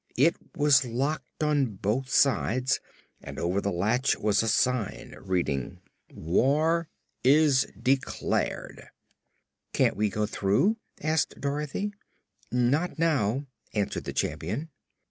It was locked on both sides and over the latch was a sign reading: "WAR IS DECLARED" "Can't we go through?" asked Dorothy. "Not now," answered the Champion.